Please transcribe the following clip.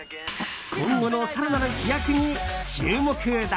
今後の更なる飛躍に注目だ。